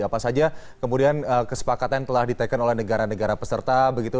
apa saja kemudian kesepakatan yang telah di take in oleh negara negara peserta begitu